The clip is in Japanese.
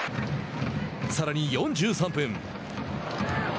さらに４３分。